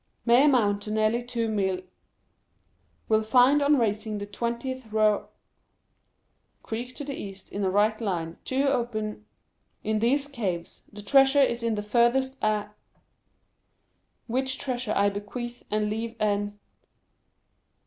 may amount to nearly two mil... will find on raising the twentieth ro... creek to the east in a right line. Two open... in these caves; the treasure is in the furthest a... which treasure I bequeath and leave en...